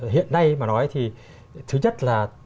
hiện nay mà nói thì thứ nhất là